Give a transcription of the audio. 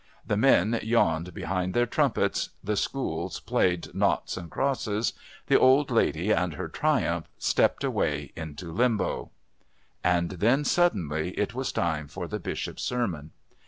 The men yawned behind their trumpets, the School played Noughts and Crosses the Old Lady and her Triumph stepped away into limbo. And then suddenly it was time for the Bishop's sermon.